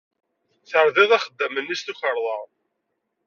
Terdid axeddam-nni s tukerḍa.